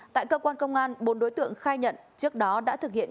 tại cơ quan công an bốn đối tượng khai nhận trước đó đã thực hiện